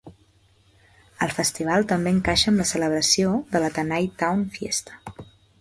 El festival també encaixa amb la celebració de la Tanay Town Fiesta.